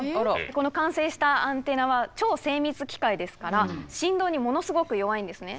この完成したアンテナは超精密機械ですから振動にものすごく弱いんですね。